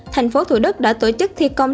thành phố thủ đức đã tổ chức thi công